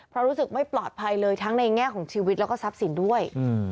เพราะรู้สึกไม่ปลอดภัยเลยทั้งในแง่ของชีวิตแล้วก็ทรัพย์สินด้วย